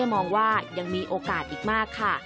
มองว่ายังมีโอกาสอีกมากค่ะ